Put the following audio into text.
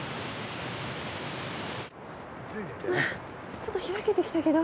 ちょっと開けてきたけど。